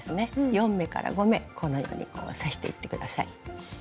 ４目から５目このようにこう刺していって下さい。